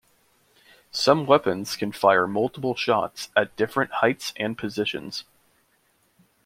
Some weapons can fire multiple shots at different heights and positions.